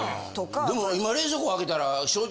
でも今冷蔵庫開けたら。